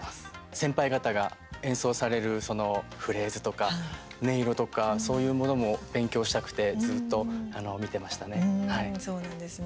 先輩方が演奏されるフレーズとか音色とかそういうものも勉強したくてずっと見てましたね。